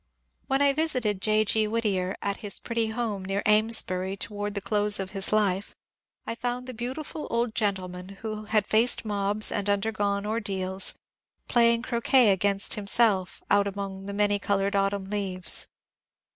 When I visited J. G. Whittier at his pretty home near Amesbury towards the close of his life, I found the beautifol old gentleman, who had faced mobs and undergone ordeak, playing croquet against himself out among the many coloured autumn leaves.